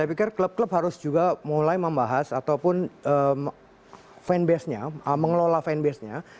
saya pikir klub klub harus juga mulai membahas ataupun fanbase nya mengelola fanbase nya